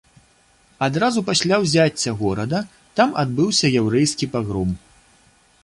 Адразу пасля ўзяцця горада там адбыўся яўрэйскі пагром.